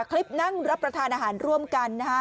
คลิปนั่งรับประทานอาหารร่วมกันนะฮะ